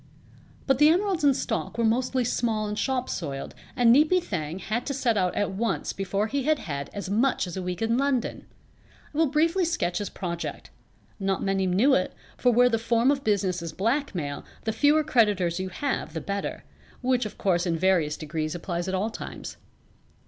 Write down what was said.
But the emeralds in stock were mostly small and shop soiled and Neepy Thang had to set out at once before he had had as much as a week in London. I will briefly sketch his project. Not many knew it, for where the form of business is blackmail the fewer creditors you have the better (which of course in various degrees applies at all times).